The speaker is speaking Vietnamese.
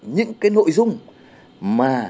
những cái nội dung mà